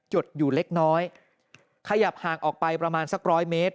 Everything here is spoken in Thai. ดอยู่เล็กน้อยขยับห่างออกไปประมาณสักร้อยเมตร